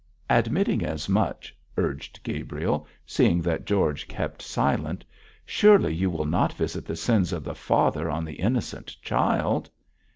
'Admitting as much,' urged Gabriel, seeing that George kept silent, 'surely you will not visit the sins of the father on the innocent child?'